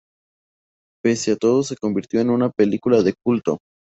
Pese a todo se convirtió en una película de culto.